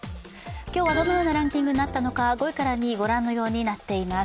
今日はどのようなランキングになったのか、５位から２位はご覧のようになっています。